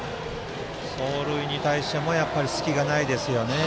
走塁に対しても隙がないですよね。